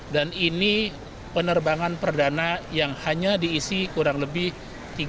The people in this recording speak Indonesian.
dan ini penerbangan perdana yang hanya diisi kurang lebih tiga ratus enam puluh orang